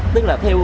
tức là theo